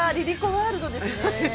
ワールドですね。